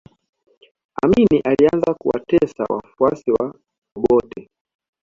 amini alianza kuwatesa wafuasi wa obote